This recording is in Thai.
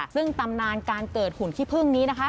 ซึ่งตำนานการเกิดหุ่นขี้พึ่งนี้นะคะ